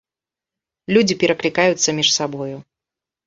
Людзі пераклікаюцца між сабою.